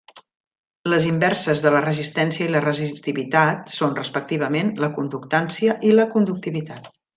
Les inverses de la resistència i la resistivitat són, respectivament, la conductància i la conductivitat.